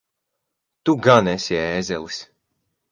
Tu gan esi ēzelis!